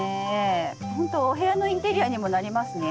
ほんとお部屋のインテリアにもなりますね。